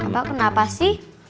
apa kenapa sih